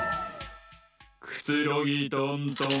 くつろぎトントン。